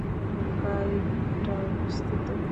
গাইঘাটা অবস্থিত।